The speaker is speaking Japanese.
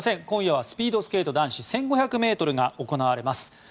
今夜はスピードスケート男子１５００ｍが行われます。